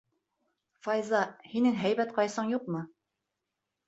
Файза, һинең һәйбәт ҡайсың юҡмы?